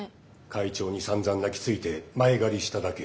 会長にさんざん泣きついて前借りしただけ。